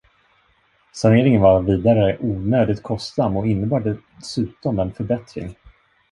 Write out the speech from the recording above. Saneringen var vidare onödigt kostsam och innebar dessutom en förbättring.